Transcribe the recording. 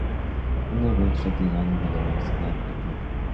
Una vez retirado de la Universidad, el Prof.